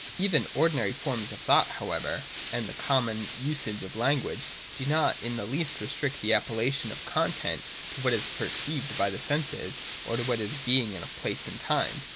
Even ordinary forms of thought however, and the common usage of language, do not in the least restrict the appellation of content to what is perceived by the senses, or to what has a being in place and time.